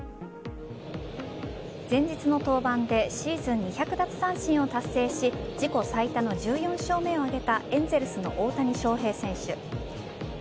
前日の登板でシーズン２００奪三振を達成し自己最多の１４勝目を挙げたエンゼルスの大谷翔平選手。